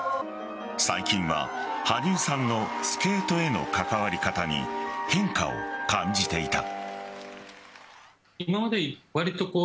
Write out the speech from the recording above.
最近は羽生さんのスケートへの関わり方に変化を感じていた。